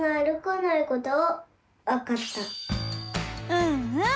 うんうん！